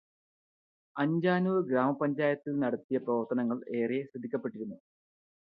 അജാനൂർ ഗ്രാമപഞ്ചായത്തിൽ നടത്തിയ പ്രവർത്തനങ്ങൾ ഏറെ ശ്രദ്ധിക്കപ്പെട്ടിരുന്നു.